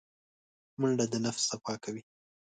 منډه د نفس صفا کوي